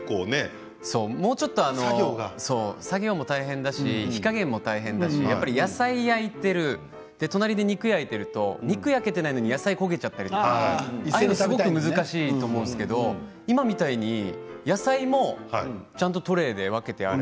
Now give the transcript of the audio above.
作業も大変だし火加減も大変だしやっぱり野菜を焼いている隣で肉を焼いてると、肉焼けていないのに野菜が焦げちゃったり難しいと思うんですけど今みたいに野菜もちゃんとトレーで分けてああ